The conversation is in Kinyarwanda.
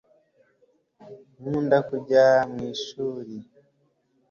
nkunda kujya ku ishuri